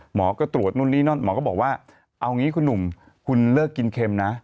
หมอก็ตรวจนู่นนี่นั่นหมอก็บอกว่าเอางี้คุณหนุ่มคุณเลิกกินเค็มนะ